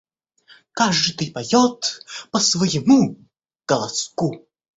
Каждый поет по своему голоску!